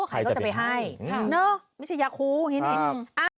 ใครก็จะไปให้ใช่เนอะไม่ใช่ยาครูอย่างงี้ครับ